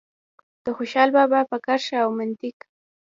د خوشال بابا په کرښه او منطق.